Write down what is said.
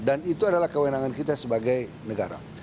dan itu adalah kewenangan kita sebagai negara